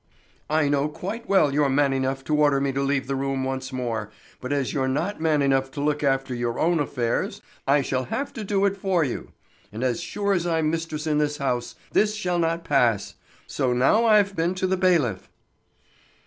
"I know quite well you're man enough to order me to leave the room once more; but as you're not man enough to look after your own affairs, I shall have to do it for you; and as sure as I'm mistress in this house, this shall not pass. So now I've been to the bailiff."